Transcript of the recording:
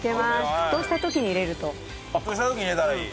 沸騰した時に入れたらいい？